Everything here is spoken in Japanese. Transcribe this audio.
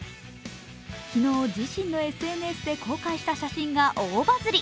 昨日、自身のＳＮＳで公開した写真が大バズり。